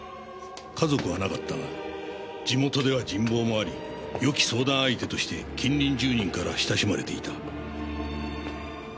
家族はなかったが地元では人望もありよき相談相手として近隣住人から親しまれていた。